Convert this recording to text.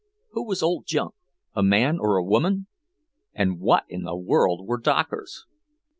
Who was Old Junk, a man or a woman? And what in the world were Dockers?